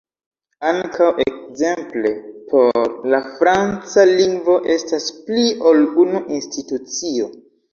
Ankaŭ ekzemple por la franca lingvo estas pli ol unu institucio.